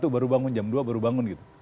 baru bangun jam dua baru bangun gitu